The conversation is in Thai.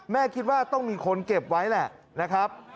แม่คิดว่าต้องมีคนเก็บไว้แหละ